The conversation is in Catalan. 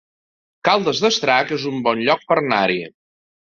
Caldes d'Estrac es un bon lloc per anar-hi